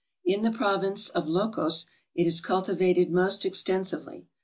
In the province of Ylocos it is cultivated most extensively.